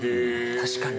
確かに。